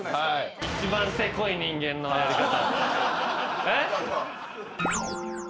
一番せこい人間のやり方。